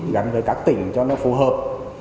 gắn với các tỉnh cho nó phù hợp